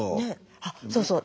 あそうそう。